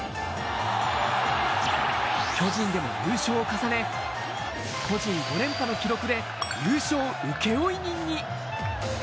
巨人でも優勝を重ね、個人５連覇の記録で、優勝請負人に。